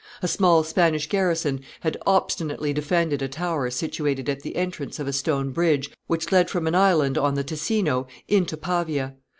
A small Spanish garrison had obstinately defended a tower situated at the entrance of a stone bridge which led from an island on the Ticino into Pavia.